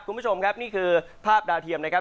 คุณผู้ชมครับนี่คือภาพดาวเทียมนะครับ